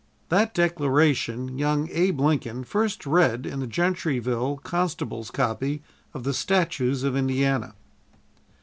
That Declaration young Abe Lincoln first read in the Gentryville constable's copy of the "Statutes of Indiana."